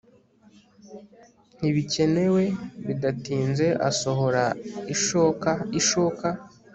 Ntibikenewe bidatinze asohora ishokaishoka